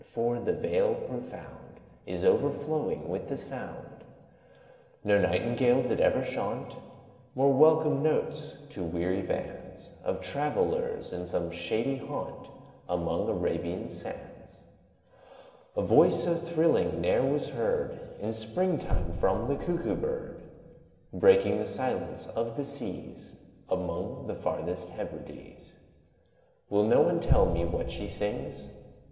for the Vale profound Is overflowing with the sound. No Nightingale did ever chaunt More welcome notes to weary bands Of travellers in some shady haunt, Among Arabian sands: A voice so thrilling ne'er was heard In spring time from the Cuckoo bird, Breaking the silence of the seas Among the farthest Hebrides. Will no one tell me what she sings?